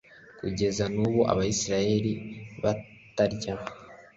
kugeza n ubu abisirayeli batarya